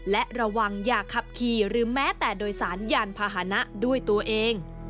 และระวังอย่าขับขี่หรือแม้แต่โดยสารยานพาหนะด้วยตัวเอง